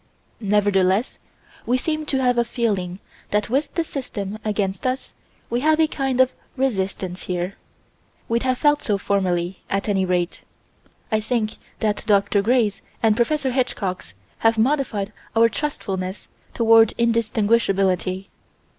Nevertheless we seem to have a feeling that with the System against us we have a kind of resistance here. We'd have felt so formerly, at any rate: I think the Dr. Grays and Prof. Hitchcocks have modified our trustfulness toward indistinguishability.